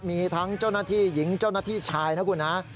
มีทั้งเจ้าหน้าที่หญิงเจ้าหน้าที่ชายนะคุณฮะ